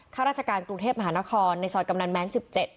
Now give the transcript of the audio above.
ข้าราชการกรุงเทพมหานครในซอยกำนันแม้น๑๗